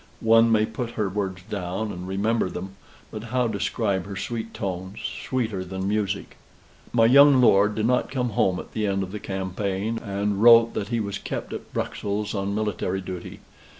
One may put her words down, and remember them, but how describe her sweet tones, sweeter than music! My young lord did not come home at the end of the campaign, and wrote that he was kept at Bruxelles on military duty.